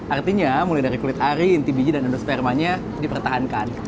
artinya mulai dari kulit ari inti biji dan endospermanya dipertahankan